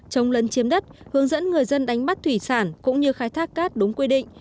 chống lấn chiếm đất hướng dẫn người dân đánh bắt thủy sản cũng như khai thác cát đúng quy định